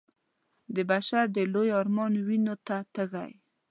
د بشر د لوی ارمان وينو ته تږی